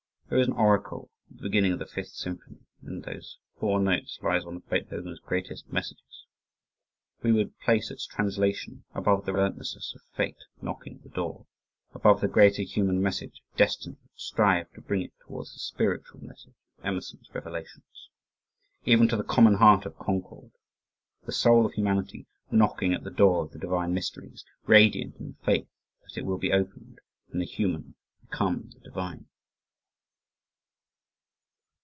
There is an "oracle" at the beginning of the Fifth Symphony in those four notes lies one of Beethoven's greatest messages. We would place its translation above the relentlessness of fate knocking at the door, above the greater human message of destiny, and strive to bring it towards the spiritual message of Emerson's revelations even to the "common heart" of Concord the Soul of humanity knocking at the door of the Divine mysteries, radiant in the faith that it will be opened and the human become the Divine!